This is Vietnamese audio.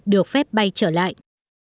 được phép bay trở lại